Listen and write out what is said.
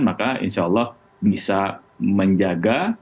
maka insya allah bisa menjaga